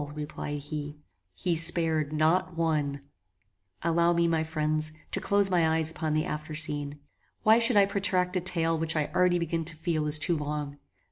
replied he: "he spared NOT ONE!" Allow me, my friends, to close my eyes upon the after scene. Why should I protract a tale which I already begin to feel is too long?